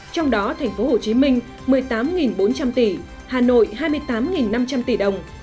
trong đó thành phố hồ chí minh một mươi tám bốn trăm linh tỷ hà nội hai mươi tám năm trăm linh tỷ đồng